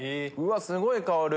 すごい香る！